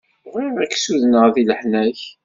Bɣiɣ ad k-sudenɣ di leḥnak.